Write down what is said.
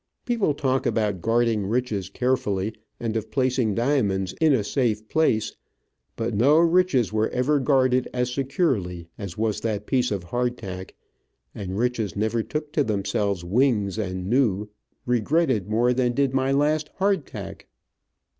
People talk about guarding riches carefully, and of placing diamonds in a safe place, but no riches were ever guarded as securely as was that piece of hard tack, and riches never took to themselves wings and new, regretted more than did my last hard tack.